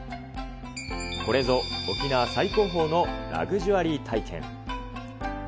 これぞ沖縄最高峰のラグジュアリー体験。